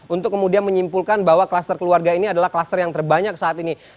untuk kemudian menyimpulkan bahwa kluster keluarga ini adalah kluster yang terbanyak saat ini